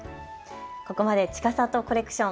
ここまでちかさとコレクション。